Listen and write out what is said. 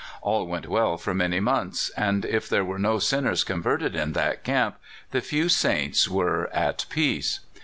All went well for many months, and if there were no sinners converted in that camp, the few saints were at peace.